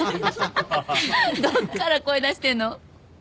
どっから声出してんの？